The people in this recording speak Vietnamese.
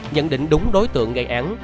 nhận định đúng đối tượng gây án